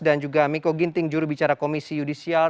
dan juga miko ginting juru bicara komisi yudisial